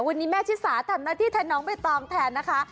วันนี้แม่ชิสาทำหน้าที่แทนน้องใบตองแทนนะคะ